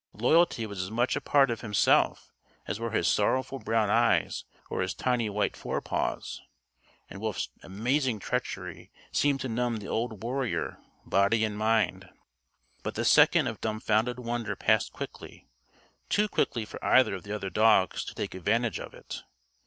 Loyalty was as much a part of himself as were his sorrowful brown eyes or his tiny white fore paws. And Wolf's amazing treachery seemed to numb the old warrior, body and mind. But the second of dumfounded wonder passed quickly too quickly for either of the other dogs to take advantage of it.